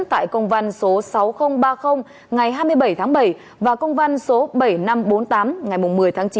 tại công văn số sáu nghìn ba mươi ngày hai mươi bảy tháng bảy và công văn số bảy nghìn năm trăm bốn mươi tám ngày một mươi tháng chín